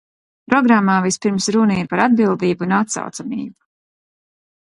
Programmā vispirms runa ir par atbildību un atsaucamību.